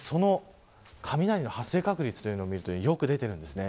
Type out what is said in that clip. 雷の発生確率を見るとよく出ています。